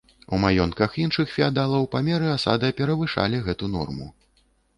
У маёнтках іншых феадалаў памеры асада перавышалі гэту норму.